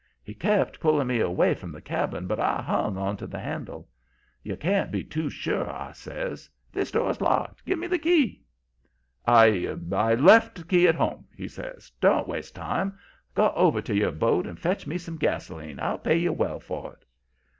"He kept pulling me away from the cabin, but I hung onto the handle. "'You can't be too sure,' I says. 'This door's locked. Give me the key.' "'I I left the key at home,' he says. 'Don't waste time. Go over to your boat and fetch me some gasoline. I'll pay you well for it.'